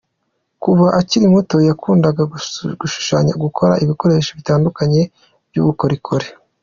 Kuva akiri muto yakundaga gushushanya, gukora ibikoresho bitandukanye by’ubukorikori.